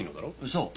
そう。